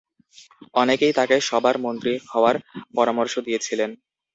অনেকেই তাঁকে সবার মন্ত্রী হওয়ার পরামর্শ দিয়েছেন।